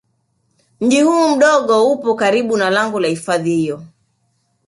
Mji huu mdogo upo karibu na lango la hifadhi hiyo